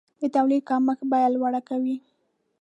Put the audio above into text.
د تولید کمښت بیه لوړه کوي.